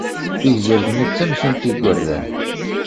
Tigzirt-nni d tamsunt i yigerdan.